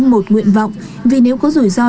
một nguyện vọng vì nếu có rủi ro